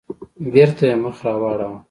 بېرته يې مخ راواړاوه.